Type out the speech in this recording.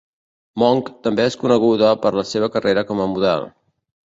Monk també és coneguda per la seva carrera com a model.